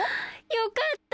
よかった！